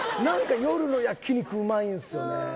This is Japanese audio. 何か夜の焼肉うまいんすよね